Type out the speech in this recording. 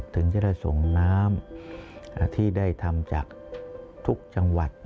ถึงจะได้ส่งน้ำที่ได้ทำจากทุกจังหวัด